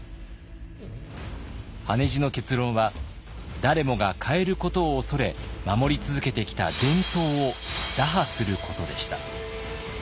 羽地の結論は誰もが変えることを恐れ守り続けてきた伝統を打破することでした。